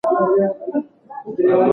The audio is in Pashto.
که روغتون وي نو درملنه نه ځنډیږي.